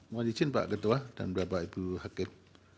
mohon izin pak ketua dan bapak ibu hakim